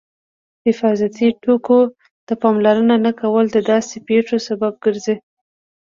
حفاظتي ټکو ته پاملرنه نه کول د داسې پېښو سبب ګرځي.